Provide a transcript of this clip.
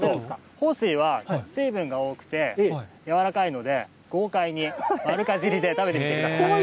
豊水は、水分が多くて軟らかいので、豪快に、丸かじりで食べてみてください。